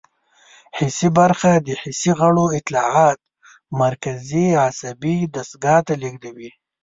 حسي برخه د حسي غړو اطلاعات مرکزي عصبي دستګاه ته لیږدوي.